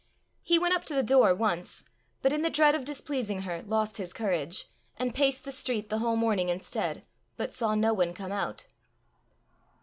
He went up to the door once, but in the dread of displeasing her, lost his courage, and paced the street the whole morning instead, but saw no one come out.